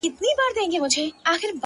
• دوه او درې ځله یې دا خبره کړله ,